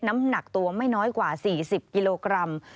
น้ำหนักตัวไม่น้อยกว่า๔๐กิโลกรัม